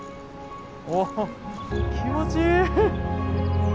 お気持ちいい！